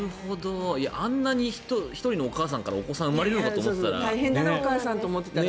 あんなに１人のお母さんからお子さんが生まれるのかと思っていたら。